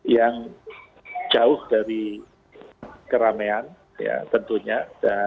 yang jauh dari keramean tentunya